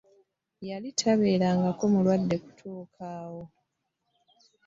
Yali tabeerangako mulwadde kutuuka awo.